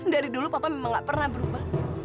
dari dulu papa memang gak pernah berubah